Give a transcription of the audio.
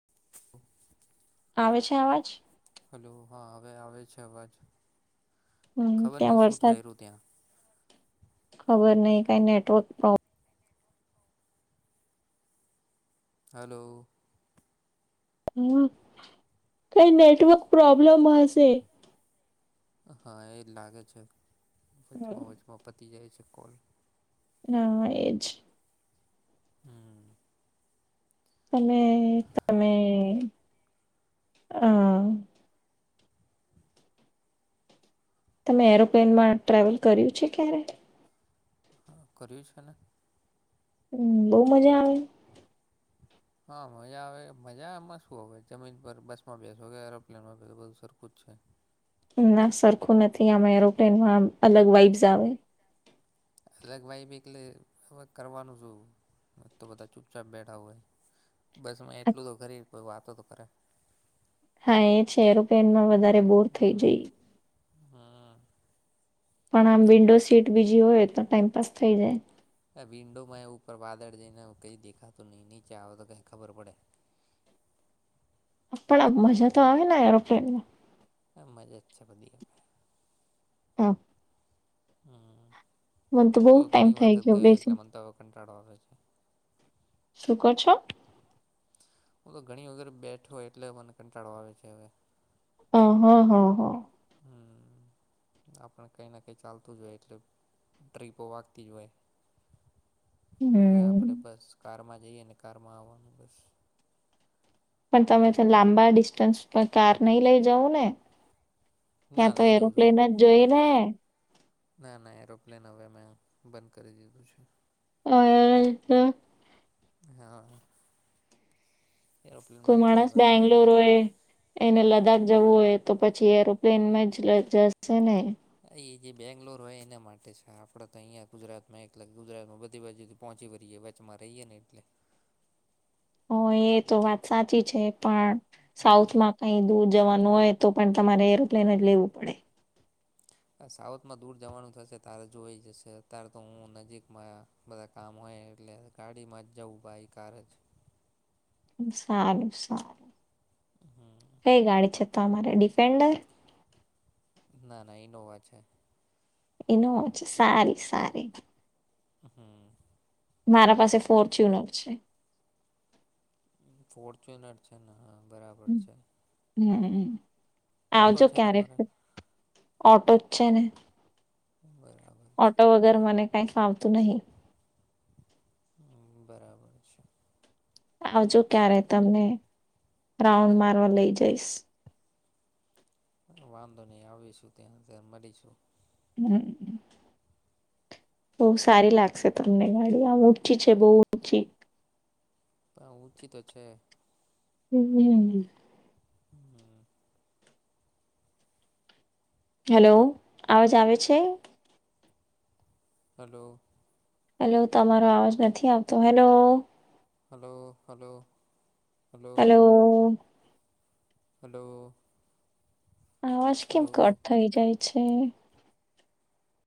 [unintelligible] આવે છે આવાજ હલો, હા, હવે આવે છે અવાજ, હમ ખબર ત્યાં નહીં શું વરસાદ થાય રહ્યું ત્યાં. ખબર ને કઈ નેટવર્ક પ્રોબ્લેમ. હલો. હ, કોઈ નેટવર્ક પ્રોબ્લેમ હોય તે. હ, એ જ લાગે છે હમ, વચમાં વચમાં પતી જાય છે કોલ. હા, એજ. હમ. તમે, તમે, અ. તમે એરોપ્લેનમાં ટ્રાવલ કર્યું છે ક્યારે? હ, કર્યું છે ને. હમ, બો મજા આવે. [inaudible] હ, મજા આવે મજામાં શું હવે જમીન પર બસમાં બેસોવકે એરોપ્લેનમાં બે બધું સરખું જ છે. ના સરખું નથી આમાં એરોપ્લેનમાં અલગ વાઈબ્સ આવે. અલગ વાઈબટલે, હ, કરવાનું શું? હ, તો બધા ચુપચાપ બેઠા હોય. બસ, મેં એટલું તો કરી, કો વાતો તો કરે. હા, એ છે, એ રપેનમાં વધારે બોર થઈ જઈ. હા. પણ આમ વિન્ડો સીટ બીજી હોય તો, ટાઈમપાસ થઇ જાય. આ વિન્ડો મેં ઉપર વાદળ જઈને, કંઈ દેખાતું નહીં, નીચે આવ તો કં ખબર પડે. [unintelligible] પણ આ મજા તો આવે ને, એરોપ્લેનમાં. હ, મજા છે, વધી. હા. હમ, મને હું બહુ તો ટાઈમ ઘણી થઈ વખત ગયો, બેસી એટલે મને તો કંટાળો આવે છે. શું કરો છો? હ, તો ઘણી વગર બેઠો હોય, એટલે મને કંટાળો આવે છે હવે. હ, હા, હા, હા. હમ. આપણે કંઈ ના, કંઈ ચાલતું જ હોય, એટલે ટ્રીપો વાગતી જ હોય. હવે હમ્મ. આપણેે બસ કારમાં જઈએ, અને કારમાં આવવાનું બસ. પણ તમે લાંબા ડિસ્ટન્સ પર કાર નહી લઈ જવું ને. ના ત્યાં તો લઈ જઉં છું એરોપ્લેન હવે જ જોઈ ને. ના, ના, એરોપ્લેન હવે મેં બંધ કરી દીધું છે. ઓ તો. હા. એરોપ્લેનમાં કોઈ એટલી માણસ હવે મજા બેંગલોર નથી. એ. એને લદ્દાખ જવું હોય તો, પછી એરોપ્લેનમાં જ જશે ને. હા, એ જે બેંગ્લોર હોય એના માટે છે, આપડે તો અહીં ગુજરાતમાં એક ગુજરાત માં બધી બાજુથી પહોંચી વરીએ. બમાંમારેહી જનેનીટલે. [unintelligible] હ, એ તો વાત સાચી છે. પણ સાઉથમાં કઈ દૂર જવાનું હોય તો, પણ તમારે એરોપ્લેન જ લેવું પડે. સાઉથમાં દૂર જવાનું થશે, તારે જોઈ જશે, અત્યારે તો હું નજીકમાં. બધા કામ હોય, એટલે ગાડીમાં જ જવું ભાઈ કાર જ. સારું સારું કઈ ગાડી છે તો અમારે ડિફેન્ડર. ના ના ઇનોવા છે. ઈનોવા છે સારી સારી. હમ. મારા પાસે ફોર ચ્યુનર છે. ફોર્ચુનર છે ને હા બરાબર હમ્મ. છે. હમ ઓટો આવજો છે ક્યારે તમારે ઓટો જ છે ને. બરાબર. છે ઓટો વગેર મને કઈ ફાવતું નહી. હમ બરાબર છે. આવજો ક્યારે તમને રાઉન્ડ મારવા લઇ જઈશ. વાંધો નહી આવીશું ત્યાંજ મળીશું. હમ. બહુ સારી લાગશે તમને ગાડી આમ ઊંચી છે બહુ ઊંચી. પણ ઊંચી તો છે. હમ હમ. હમ. હેલો અવાજ આવે છે. હલો. હેલો તમારો અવાજ નથી આવતો hello. Hello hello. Hello hello. Hello. આવાજ કેમ હલો કટ થઈ જાય છે.